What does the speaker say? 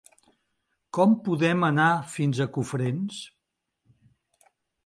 Com podem anar fins a Cofrents?